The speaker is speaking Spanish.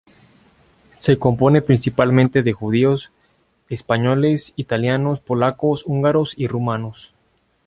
Se componen principalmente de judíos, españoles, italianos, polacos, húngaros y rumanos.